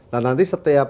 nah nanti setiap